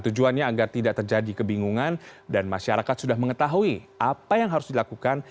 tujuannya agar tidak terjadi kebingungan dan masyarakat sudah mengetahui apa yang harus dilakukan